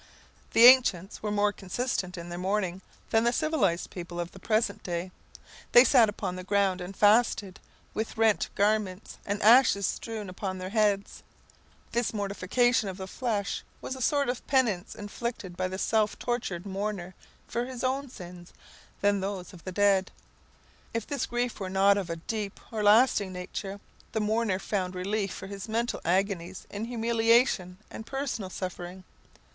The ancients were more consistent in their mourning than the civilized people of the present day. They sat upon the ground and fasted, with rent garments, and ashes strewn upon their heads. This mortification of the flesh was a sort of penance inflicted by the self tortured mourner for his own sins, and those of the dead. If this grief were not of a deep or lasting nature, the mourner found relief for his mental agonies in humiliation and personal suffering.